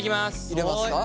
入れますか。